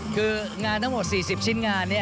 คืองานทั้งหมด๔๐ชิ้นงาน